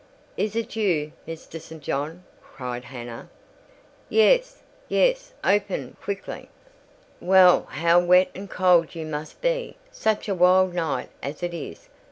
"Is it you, Mr. St. John?" cried Hannah. "Yes—yes; open quickly." "Well, how wet and cold you must be, such a wild night as it is!